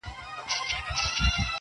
ولي ګناکاري زما د ښار سپيني کفتري دي,